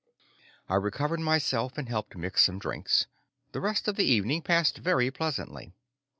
I recovered myself and helped mix some drinks. The rest of the evening passed very pleasantly.